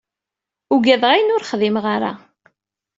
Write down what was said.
Uggadeɣ ayen ur xdimeɣ ara.